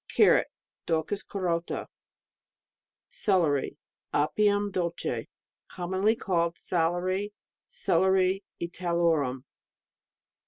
] Carrot .... Daucus carota. Celeri Apium duke. commonly called Salary Celeri Italorum.